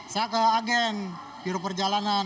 saya ke agen biru perjalanan